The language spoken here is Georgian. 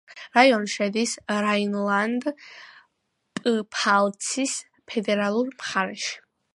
რაიონი შედის რაინლანდ-პფალცის ფედერალურ მხარეში.